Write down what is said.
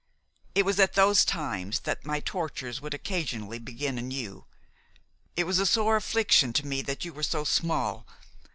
It was at those times that my tortures would occasionally begin anew. It was a sore affliction to me that you were so small.